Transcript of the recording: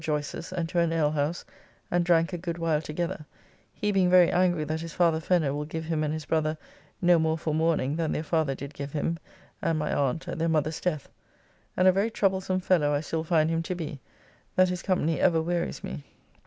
Joyce's and to an alehouse, and drank a good while together, he being very angry that his father Fenner will give him and his brother no more for mourning than their father did give him and my aunt at their mother's death, and a very troublesome fellow I still find him to be, that his company ever wearys me.